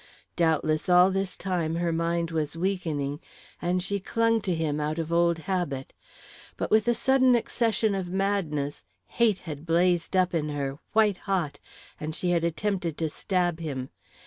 Doubtless all this time her mind was weakening, and she clung to him out of old habit. But with the sudden accession of madness, hate had blazed up in her, white hot, and she had attempted to stab him.